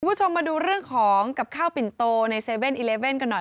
คุณผู้ชมมาดูเรื่องของกับข้าวปิ่นโตใน๗๑๑กันหน่อย